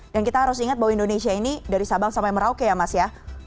kita harus ingat bahwa indonesia ini dari sabang sampai merauke ya mas ya